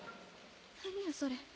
何よそれ。